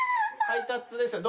配達ですよね？